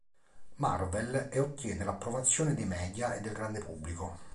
Marvel, e ottiene l'approvazione dei media e del grande pubblico.